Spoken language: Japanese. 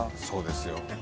そうですよ。